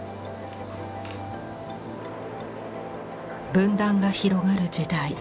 分断が広がる時代。